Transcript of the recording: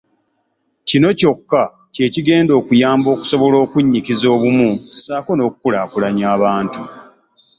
Kino kyokka kye kigenda okuyamba okusobola okunnyikiza obumu ssaako n’okukulaakulanya abantu